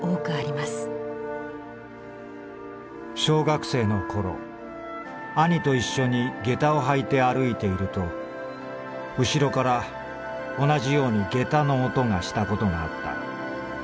「小学生の頃兄といっしょに下駄をはいてあるいているとうしろから同じように下駄の音がしたことがあった。